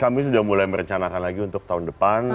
kami sudah mulai merencanakan lagi untuk tahun depan